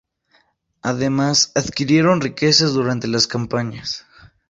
Además adquirieron riqueza durante las campañas.